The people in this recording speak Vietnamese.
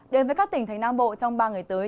đến với các tỉnh thành nam bộ trong ba ngày tới